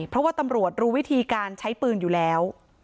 เพราะว่าตำรวจรู้วิธีการใช้ปืนอยู่แล้ว